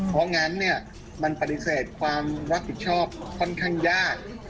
เพราะงั้นเนี่ยมันปฏิเสธความรับผิดชอบค่อนข้างยาก